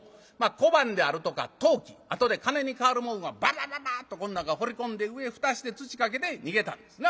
小判であるとか陶器あとで金に換わるもんはババババっとこん中ほり込んで上蓋して土かけて逃げたんですな。